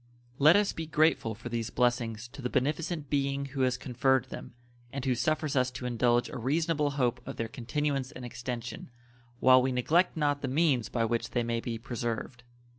Let us be grateful for these blessings to the beneficent Being who has conferred them, and who suffers us to indulge a reasonable hope of their continuance and extension, while we neglect not the means by which they may be preserved.